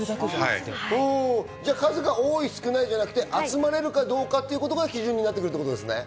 じゃあ、数が多い少ないじゃなくて、集まれるかどうかが基準になってくるということですね？